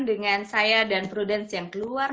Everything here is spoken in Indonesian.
dengan saya dan prudence yang keluar